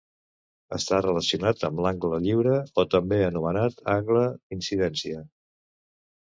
Està relacionat amb l'angle lliure o també anomenat angle d'incidència.